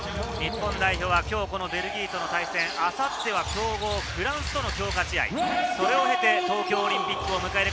日本代表は、このベルギーとの対戦、明後日は強豪フランスとの強化試合。